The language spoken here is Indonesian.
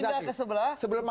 mau pindah ke sebelah